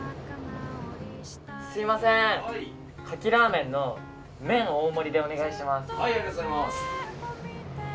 すいません、牡蠣ラーメンの麺大盛りでお願いします。